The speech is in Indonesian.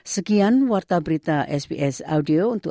sekian wartaberita sbs audio